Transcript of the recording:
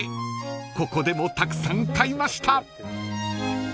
［ここでもたくさん買いました］